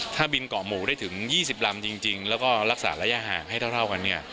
ถ้าบินเกาะหมูได้ถึง๒๐ลำจริงแล้วก็รักษาระยะห่างให้เท่ากันเนี่ย